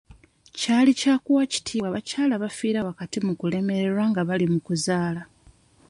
Kyali kya kuwa kitiibwa abakyala abafiira wakati mu kulemererwa nga bali mu kuzaala.